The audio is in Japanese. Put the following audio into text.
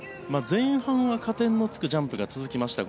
前半は加点のつくジャンプが続きました